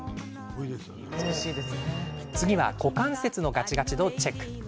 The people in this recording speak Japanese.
次は股関節のガチガチ度をチェック。